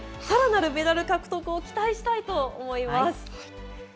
さらなるメダル獲得を期待したいと思います。